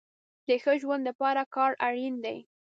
د ښه ژوند د پاره کار اړين دی